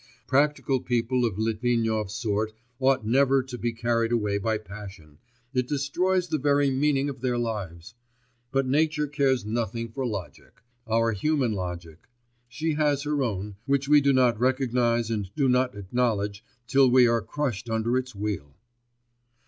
Practical people of Litvinov's sort ought never to be carried away by passion, it destroys the very meaning of their lives.... But nature cares nothing for logic, our human logic; she has her own, which we do not recognise and do not acknowledge till we are crushed under its wheel.